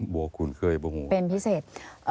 วกคุ้นเคยเป็นพิเศษ